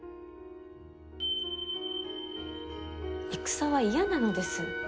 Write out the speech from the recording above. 戦は嫌なのです。